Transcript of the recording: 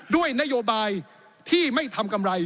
ด้วยนโยบายที่ไม่ทำกำไร